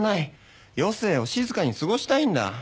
余生を静かに過ごしたいんだ。